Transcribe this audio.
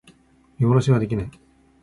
見殺しにはできない